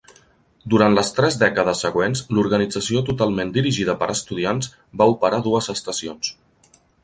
Durant les tres dècades següents l'organització, totalment dirigida per estudiants, va operar dues estacions.